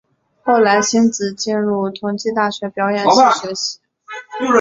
后来馨子进入同济大学表演系学习。